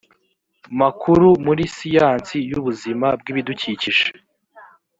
makuru muri siyansi y ubuzima bw ibidukikije